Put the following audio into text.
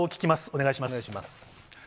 お願いします。